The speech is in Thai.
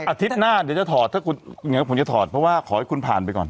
อาทิตย์หน้าเดี๋ยวจะถอดถ้าคุณเดี๋ยวผมจะถอดเพราะว่าขอให้คุณผ่านไปก่อน